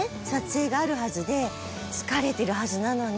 疲れてるはずなのに。